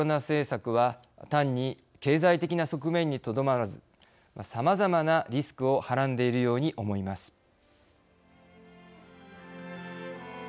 政策は単に経済的な側面にとどまらずさまざまなリスクをはらんでいるように思います。